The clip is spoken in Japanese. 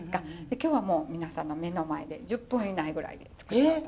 今日はもう皆さんの目の前で１０分以内ぐらいで作っちゃおうと。